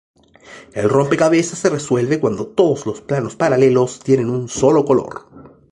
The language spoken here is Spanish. El rompecabezas se resuelve cuando todos los planos paralelos tienen un solo color.